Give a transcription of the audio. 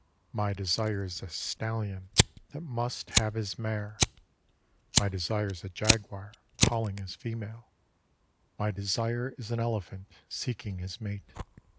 My desire is a stallion That must have his mare, My desire is a jaguar Calling his female, My desire is an elephant Seeking his mate.